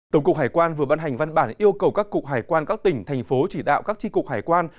tổng cục hải quan vừa ban hành văn bản yêu cầu các cục hải quan các tỉnh thành phố chỉ đạo các tri cục hải quan